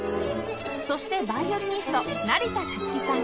そしてヴァイオリニスト成田達輝さん